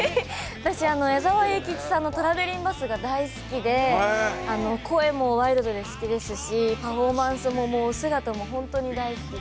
私、矢沢永吉さんの「トラベリン・バス」が大好きで声もワイルドで好きですし、パフォーマンスも姿も本当に大好きで。